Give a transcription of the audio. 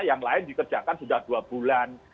yang lain dikerjakan sudah dua bulan